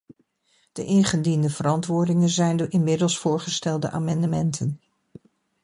De ingediende verantwoordingen zijn de inmiddels voorgestelde amendementen.